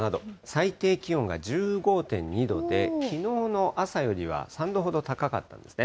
最低気温が１５．２度で、きのうの朝よりは３度ほど高かったんですね。